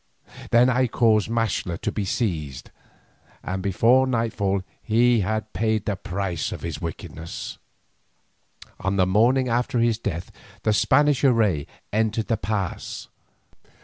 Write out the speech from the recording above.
Then I caused Maxtla to be seized, and before nightfall he had paid the price of his wickedness. On the morning after his death the Spanish array entered the pass.